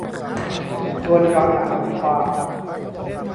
ชวนย้อนอ่านบทความ